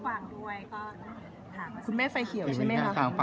คือแม่มาดูวะ